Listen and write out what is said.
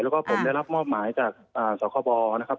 แล้วก็ผมได้รับมอบหมายจากสคบนะครับ